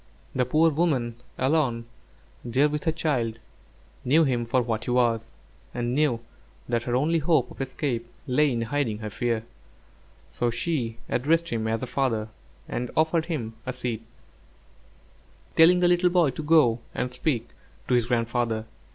The poor woman, alone there with her child, knew him for what he was, and knew that her only hope of escape lay in hiding her fear, so she addressed him as her father, and offered him a seat, telling the little boy to go and speak to his grandfather.